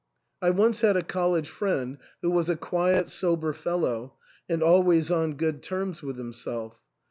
I once had a college friend who was a quiet, sober fel low, and always on good terms with himself.